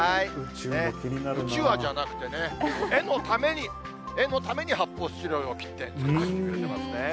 うちわじゃなくてね、絵のために発砲スチロールを切って作ってくれてますね。